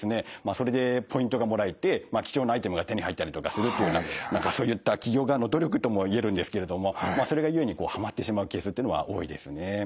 それでポイントがもらえて貴重なアイテムが手に入ったりとかするっていうような何かそういった企業側の努力ともいえるんですけれどもそれが故にはまってしまうケースってのは多いですね。